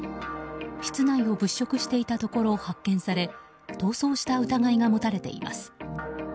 室内を物色していたところ発見され逃走した疑いが持たれています。